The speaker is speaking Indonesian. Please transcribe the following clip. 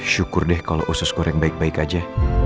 syukur deh kalau usus goreng baik baik aja